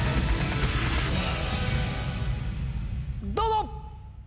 どうぞ！